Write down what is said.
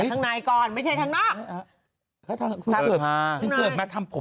แล้วคุณกลับทางในก่อนไม่ใช่ทางนอก